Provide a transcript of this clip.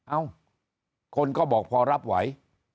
เอ้าคนก็บอกพอรับไหว